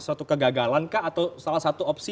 suatu kegagalan kah atau salah satu opsi